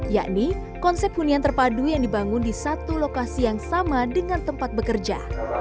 yakni konsep hunian terpadu yang dibangun di satu lokasi yang sama dengan tempat bekerja